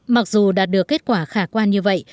mặc dù đạt được kết quả khả quan như vậy